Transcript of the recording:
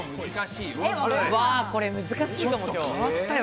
これ難しいかも。